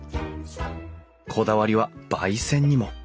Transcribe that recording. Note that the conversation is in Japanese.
こだわりは焙煎にも。